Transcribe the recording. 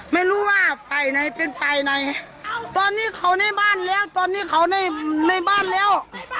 ไม่รู้ว่าฝ่ายไหนเป็นฝ่ายไหนตอนนี้เขาในบ้านแล้วตอนนี้เขาในในบ้านแล้ว